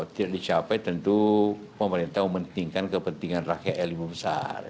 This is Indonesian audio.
tidak dicapai tentu pemerintah mementingkan kepentingan rakyat ilmu besar